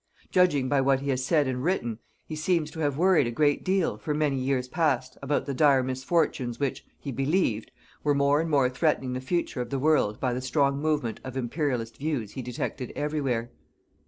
Judging by what he has said and written, he seems to have worried a great deal, for many years past, about the dire misfortunes which, he believed, were more and more threatening the future of the world by the strong movement of imperialist views he detected everywhere.